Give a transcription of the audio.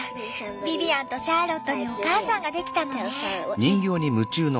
ビビアンとシャーロットにお母さんができたのね！